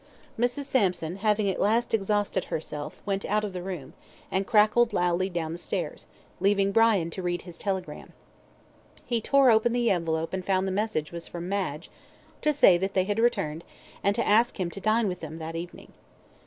Mrs. Sampson, having at last exhausted herself, went out of the room, and crackled loudly down the stairs, leaving Brian to read his telegram. He tore open the envelope and found the message was from Madge, to say that they had returned, and to ask him to dine with them that evening.